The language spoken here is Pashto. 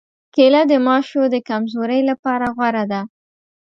کېله د ماشو د کمزورۍ لپاره غوره ده.